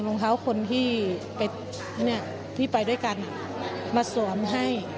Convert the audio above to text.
รองเท้าคนที่ไปด้วยกันมาสวมให้